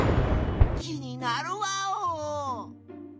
気になるワオ！